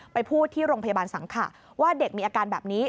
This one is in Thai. พูดที่โรงพยาบาลสังขะว่าเด็กมีอาการแบบนี้